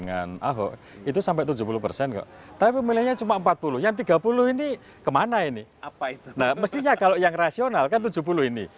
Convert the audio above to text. nah mestinya kalau yang rasional kan tujuh puluh ini